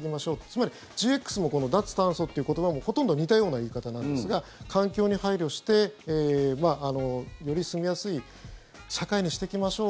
つまり、ＧＸもこの脱炭素っていう言葉もほとんど似たような言い方なんですが環境に配慮してより住みやすい社会にしていきましょう。